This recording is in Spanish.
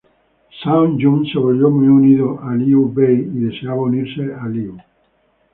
Zhao Yun se volvió muy unido a Liu Bei y deseaba unirse a Liu.